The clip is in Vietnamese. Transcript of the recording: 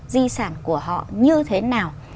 di sản của họ như thế nào